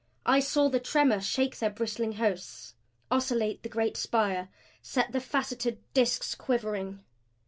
I saw the tremor shake their bristling hosts, oscillate the great spire, set the faceted disks quivering.